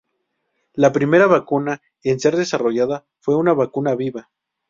La primera vacuna en ser desarrollada fue una vacuna viva.